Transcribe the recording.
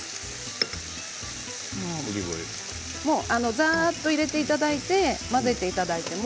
ざあっと入れていただいて混ぜていただいても